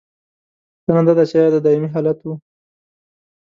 پوښتنه دا ده چې ایا دا دائمي حالت و؟